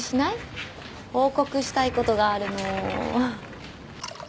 報告したいことがあるの。